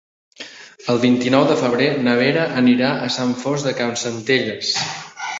El vint-i-nou de febrer na Vera anirà a Sant Fost de Campsentelles.